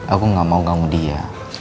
aku gak mau ganggu dia